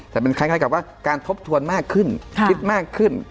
แต่มันคล้ายกับว่าการทบทวนมากขึ้นคิดมากขึ้น